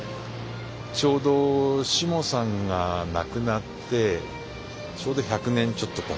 ちょうどしもさんが亡くなってちょうど１００年ちょっとたつんですね。